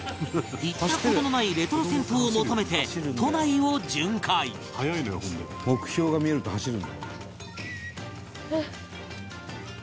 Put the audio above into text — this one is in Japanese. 行った事のないレトロ銭湯を求めて都内を巡回「目標が見えると走るんだ」